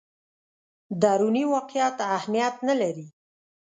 دروني واقعیت اهمیت لري.